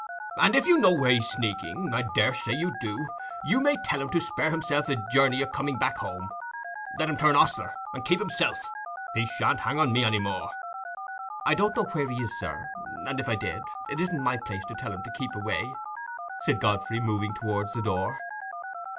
And if you know where he's sneaking—I daresay you do—you may tell him to spare himself the journey o' coming back home. Let him turn ostler, and keep himself. He shan't hang on me any more." "I don't know where he is, sir; and if I did, it isn't my place to tell him to keep away," said Godfrey, moving towards the door.